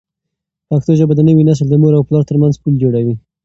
پښتو ژبه د نوي نسل د مور او پلار ترمنځ پل جوړوي.